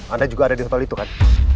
anda juga ada di tol itu kan